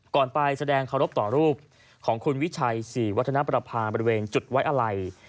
ไปแสดงเคารพต่อรูปของคุณวิชัยศรีวัฒนประพาบริเวณจุดไว้อะไร